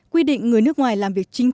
quy định người nước ngoài làm việc chính thức